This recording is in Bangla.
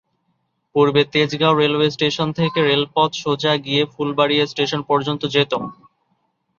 পূর্বে তেজগাঁও রেলওয়ে স্টেশন থেকে রেলপথ সোজা গিয়ে ফুলবাড়িয়া স্টেশন পর্যন্ত যেতো।